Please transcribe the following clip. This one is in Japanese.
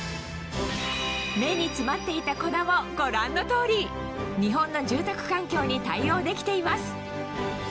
目に詰まっていた粉もご覧の通り日本の住宅環境に対応できています